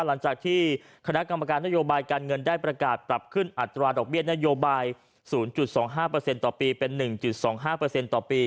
หลังจากที่คณะกรรมการนโยบายการเงินได้ประกาศปรับขึ้นอัตราดอกเบี้ยนโยบาย๐๒๕ต่อปีเป็น๑๒๕ต่อปี